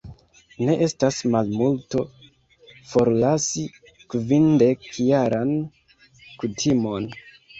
Ne estas malmulto, forlasi kvindekjaran kutimon.